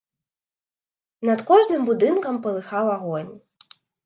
Над кожным будынкам палыхаў агонь.